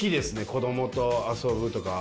子供と遊ぶとか。